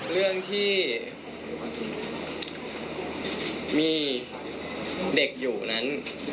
เรื่องที่มีเด็กอยู่นั้น